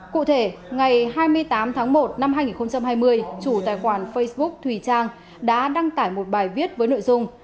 cụ thể ngày hai mươi tám tháng một năm hai nghìn hai mươi chủ tài khoản facebook thùy trang đã đăng tải một bài viết với nội dung